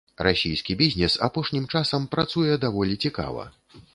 Расійскі бізнес апошнім часам працуе даволі цікава.